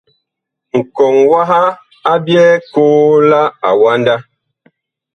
Nkɔŋ waha a byɛɛ koo la awanda.